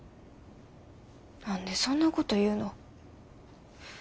何でそんなこと言うの？